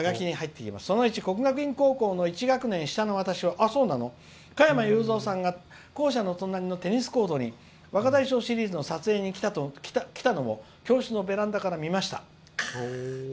国学院高校１学年下の私が加山雄三さんが校舎の隣のテニスコートに「若大将シリーズ」の撮影に来たと教室のベランダから見ました」。